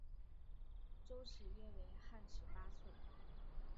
周尺约为汉尺八寸。